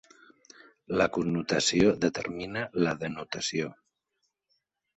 La connotació determina la denotació.